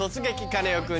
カネオくん」。